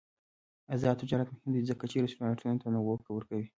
آزاد تجارت مهم دی ځکه چې رستورانټونه تنوع ورکوي.